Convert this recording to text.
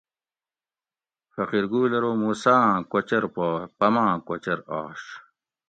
فقیر گل ارو موسیٰ آں کوچر پا پماۤں کوچر آش